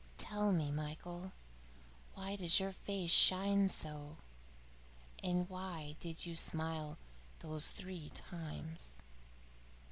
Tell me, Michael, why does your face shine so, and why did you smile those three times?"